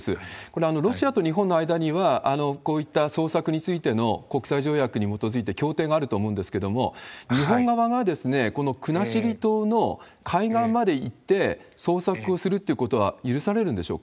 これ、ロシアと日本の間には、こういった捜索についての国際条約に基づいて協定があると思うんですけれども、日本側がこの国後島の海岸まで行って捜索をするっていうことは許これですね、